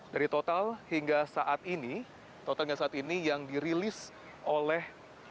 dari total hingga saat ini yang dirilis oleh